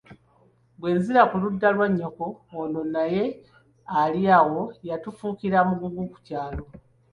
Bwe nzira ku ludda lwa nnyoko ono naye ali wano yatufuukira mugugu ku kyalo.